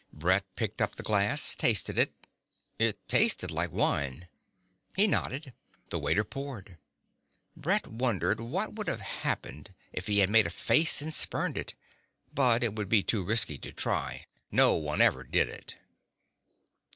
Brett picked up the glass, tasted it. It tasted like wine. He nodded. The waiter poured. Brett wondered what would have happened if he had made a face and spurned it. But it would be too risky to try. No one ever did it.